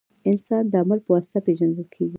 • انسان د عمل په واسطه پېژندل کېږي.